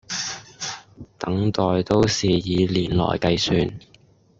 等待都是以年來計算